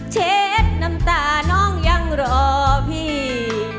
เช็ดน้ำตาน้องยังรอพี่